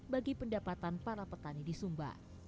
bagi pendapatan para petani di sumba